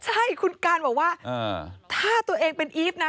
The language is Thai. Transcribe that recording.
ใช่คุณการบอกว่าถ้าตัวเองเป็นอีฟนะ